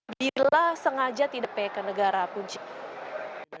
bila sengaja tidak pnbp ke negara pun